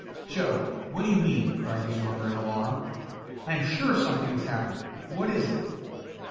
"Joe, what do you mean?" cried his mother in alarm. "I am sure something has happened. What is it?"